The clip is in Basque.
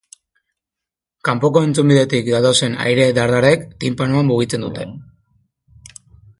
Kanpoko entzun bidetik datozen aire-dardarek tinpanoa mugitzen dute.